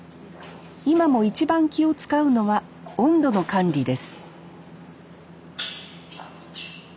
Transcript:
今も一番気を遣うのは温度の管理です